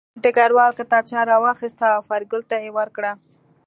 ډګروال کتابچه راواخیسته او فریدګل ته یې ورکړه